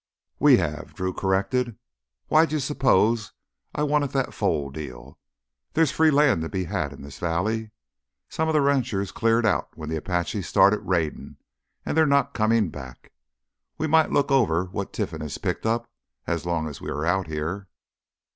"We have," Drew corrected. "Why'd you suppose I wanted that foal deal? There's free land to be had in the valley. Some of the ranchers cleared out when the Apaches started raidin' and they're not comin' back. We might look over what Trinfan has picked up as long as we are out here.